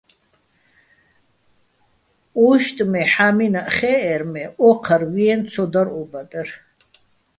უჲშტ მე, ჰ̦ა́მინაჸ ხეჸერ, მე ოჴარ ვიენო̆ ცო დარ ო ბადერ.